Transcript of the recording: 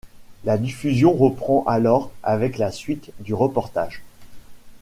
La diffusion reprend alors avec la suite du reportage.